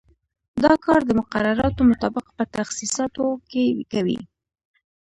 دا کار د مقرراتو مطابق په تخصیصاتو کې کوي.